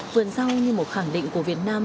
vườn rau như một khẳng định của việt nam